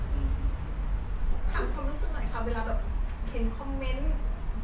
ถามความรู้สึกหน่อยค่ะเวลาแบบเห็นคอมเมนต์